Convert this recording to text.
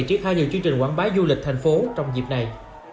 triết thao nhiều chương trình quảng bá du lịch thành phố trong dịp này